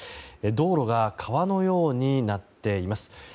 道路が川のようになっています。